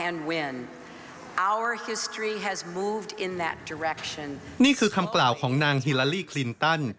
นี่คือคำกล่าวของนางฮิลาลี่คลินตัน